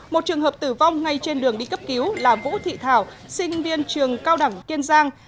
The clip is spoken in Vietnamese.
một trường hợp tử vong ngay trên đường đi cấp cứu là vũ thị thảo sinh viên trường cao đẳng kiên giang